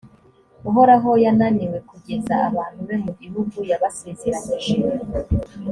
uhoraho yananiwe kugeza abantu be mu gihugu yabasezeranyije,